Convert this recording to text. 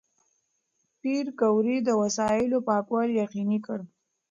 پېیر کوري د وسایلو پاکوالي یقیني کړ.